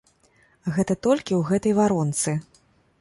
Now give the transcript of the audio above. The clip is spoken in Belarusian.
Гэта толькі ў гэтай варонцы.